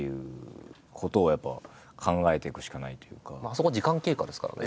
そこ時間経過ですからね。